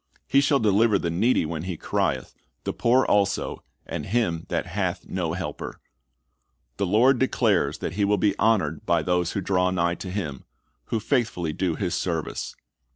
"^ "He shall deliver the needy when he crieth; the poor also, and him that hath no helper."'"' The Lord declares that He will be honored by those who draw nigh to Him, who faithfully do His service.